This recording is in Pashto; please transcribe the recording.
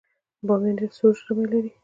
بامیان ډیر سوړ ژمی لري